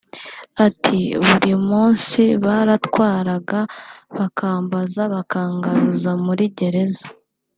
Ati “Buri munsi barantwaraga bakambaza bakangaruza muri gereza